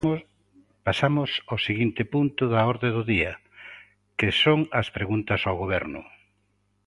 Pasamos ao seguinte punto da orde do día, que son as preguntas ao Goberno.